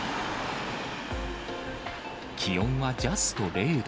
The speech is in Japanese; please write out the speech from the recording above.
気温はジャスト０度。